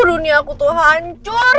dunia aku tuh hancur